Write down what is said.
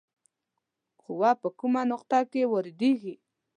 قوه په کومه نقطه کې واردیږي؟